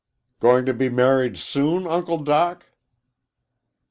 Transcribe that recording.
"Going to be married soon, Uncle Doc?"